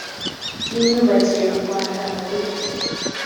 n imyubakire mu rwanda mu buryo